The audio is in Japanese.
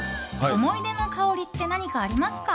思い出の香りって何かありますか？